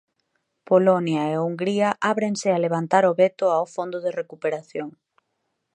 Polonia e Hungría ábrense a levantar o veto ao fondo de recuperación.